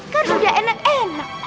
kan udah enak enak